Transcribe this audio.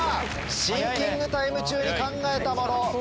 シンキングタイム中に考えたもの